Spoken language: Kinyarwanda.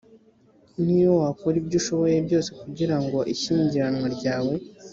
niyo wakora ibyo ushoboye byose kugira ngo ishyingiranwa ryawe